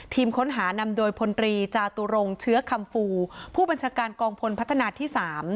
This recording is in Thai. ทีมค้นหานำโดยพลตรีจาตุรงเชื้อคำฟูผู้บัญชาการกองพลพัฒนาที่๓